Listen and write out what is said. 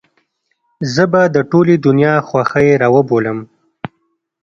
زه به د ټولې دنيا خوښۍ راوبولم.